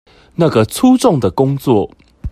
那個粗重的工作